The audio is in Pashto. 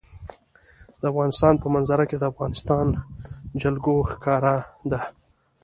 د افغانستان په منظره کې د افغانستان جلکو ښکاره ده.